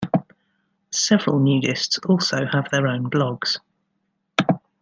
Several nudists also have their own blogs.